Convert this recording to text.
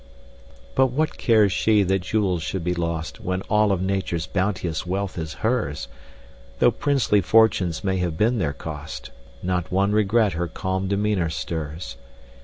But what cares she that jewels should be lost, When all of Nature's bounteous wealth is hers? Though princely fortunes may have been their cost, Not one regret her calm demeanor stirs.